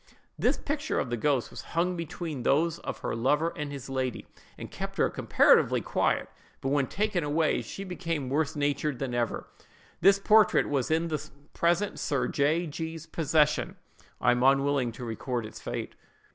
"The picture of the ghost was hung between those of her lover and his lady, and kept her comparatively quiet; but when taken away, she became worse natured than ever. This portrait was in the present Sir J—— G——'s possession. I am unwilling to record its fate.